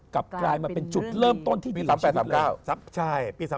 กลายมาเป็นจุดเริ่มต้นที่ดีปี๓๘๓๙